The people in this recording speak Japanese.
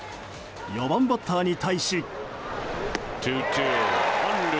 ４番バッターに対し。